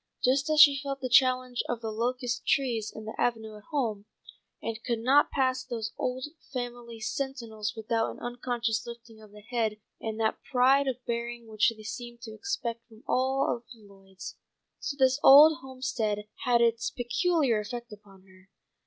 Just as she felt the challenge of the locust trees in the avenue at home, and could not pass those old family sentinels without an unconscious lifting of the head and that pride of bearing which they seemed to expect from all the Lloyds, so this old homestead had its peculiar effect upon her.